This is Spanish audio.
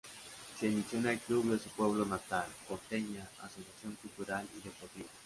Se inició en el club de su pueblo natal, Porteña Asociación Cultural y Deportiva.